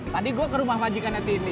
tadi gue ke rumah majikan tini